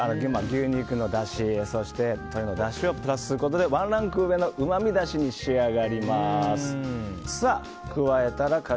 牛肉のだし、鶏のだしをプラスすることでワンランク上のうまみだしに仕上がります。